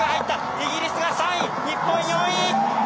イギリスが３位、日本が４位！